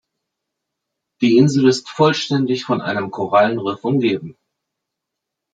Die Insel ist vollständig von einem Korallenriff umgeben.